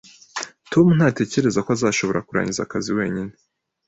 Tom ntatekereza ko azashobora kurangiza akazi wenyine